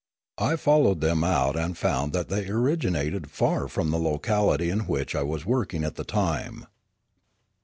I followed them out and found that they originated far from the locality in which I was working at the time.